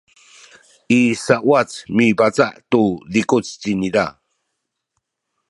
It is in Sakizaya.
i sauwac mibaca’ tu zikuc ci ina